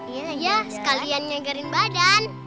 iya sekalian nyegarin badan